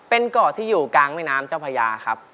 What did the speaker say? เป็นเกาะที่อยู่กลางแม่น้ำเจ้าพญาครับ